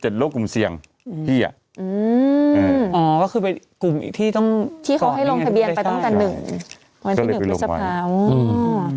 เจ็ดโรคกลุ่มเสี่ยงอ๋อก็คือเป็นกลุ่มที่เขาให้ลงทะเบียนไปตั้งแต่วันที่หนึ่งหรือสัปดาห์